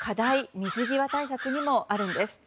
水際対策にもあるんです。